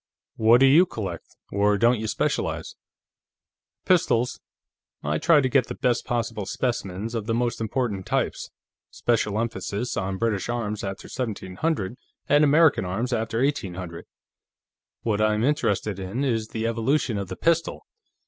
"What do you collect, or don't you specialize?" "Pistols; I try to get the best possible specimens of the most important types, special emphasis on British arms after 1700 and American arms after 1800. What I'm interested in is the evolution of the pistol.